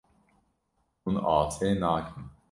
Hûn asê nakin.